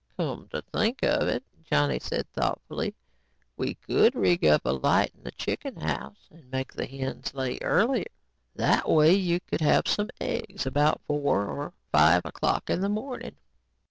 "Come to think of it," Johnny said thoughtfully, "we could rig up a light in the chicken house and make the hens lay earlier. That way you could have some eggs about four or five o'clock in the morning."